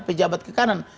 pejabat ke kanan